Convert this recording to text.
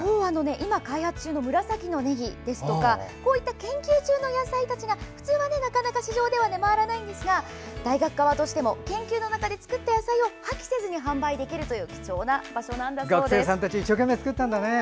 今開発中の紫のねぎなんですけどこういった研究中の野菜なかなか市場では出回りませんが大学側としても研究の中で作った野菜たちを破棄せずに販売できる貴重な場所なんだそうです。